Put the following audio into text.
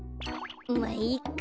まあいっか。